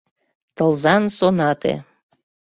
Тылзан сонате